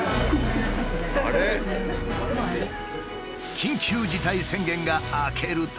緊急事態宣言が明けると。